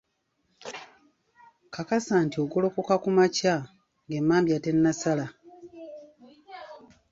Kakasa nti ogolokoka kumakya ng'emmambya tennasala.